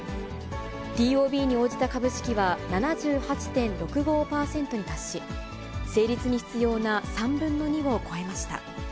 ＴＯＢに応じた株式は７８．６５％に達し、成立に必要な３分の２を超えました。